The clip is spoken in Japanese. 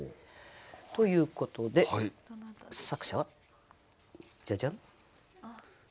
ということで作者はじゃじゃん。